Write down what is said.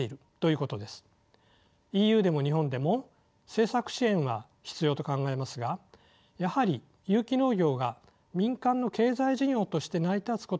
ＥＵでも日本でも政策支援は必要と考えますがやはり有機農業が民間の経済事業として成り立つことが基本だと思います。